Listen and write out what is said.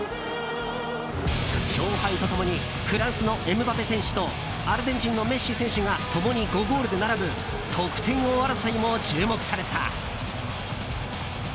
勝敗と共にフランスのエムバペ選手とアルゼンチンのメッシ選手が共に５ゴールで並ぶ得点王争いも注目された。